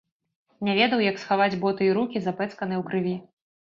Не ведаў, як схаваць боты і рукі, запэцканыя ў крыві.